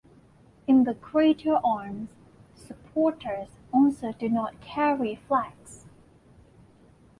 In the greater arms, the supporters also do not carry flags.